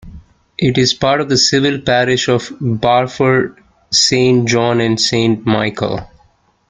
It is part of the civil parish of Barford Saint John and Saint Michael.